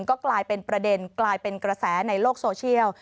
ก็กลายเป็นประเด็นกลายเป็นกระแสในโลกโซเชียล